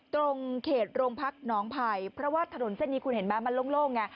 ตรงเขตโรงพักหนองไผ่เพราะว่าถนนเส้นนี้คุณเห็นไหมมันโล่งไง